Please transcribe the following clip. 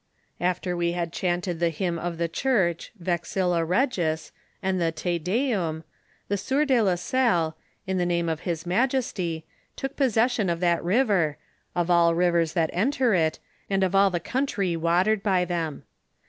After wg had chanted the hymn of the church, " Vexilla Eegis," and the " Te Deum," the sieur de la Salle, in the name of his majesty, took possession of that river, of all rivers that enter it, and of all the country watered by them.